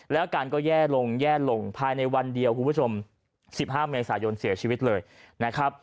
แล้วอาการก็แย่ลงแย่ลงภายในวันเดียวคุณผู้ชม๑๕เมษายนเสียชีวิตเลยนะครับ